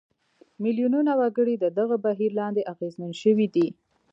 میلیونونه وګړي د دغه بهیر لاندې اغېزمن شوي دي.